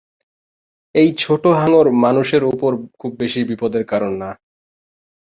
এই ছোট হাঙ্গর মানুষের উপর খুব বেশি বিপদের কারণ না।